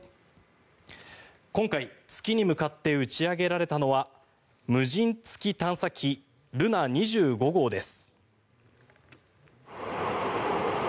今回、月に向かって打ち上げられたのは無人月探査機ルナ２５号です。